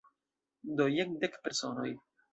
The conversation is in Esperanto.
Do jen dek personoj.